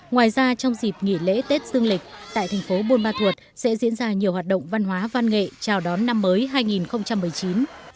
ngoài ra trong dịp nghỉ lễ tết dương lịch tại thành phố buôn ma thuột sẽ diễn ra nhiều hoạt động văn hóa văn nghệ chào đón năm mới hai nghìn một mươi chín